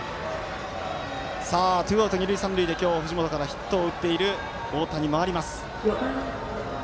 ツーアウト、二塁三塁で今日、藤本からヒットを打っている太田に回ります。